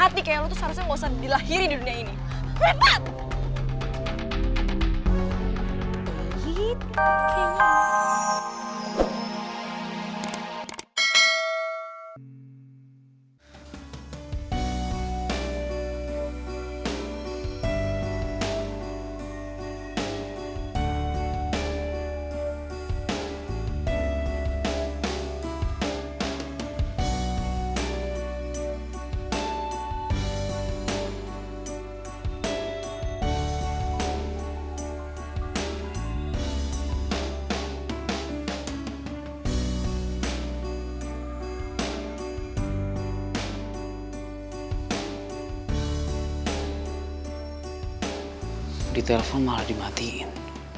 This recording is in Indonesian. di telpon malah dimatiin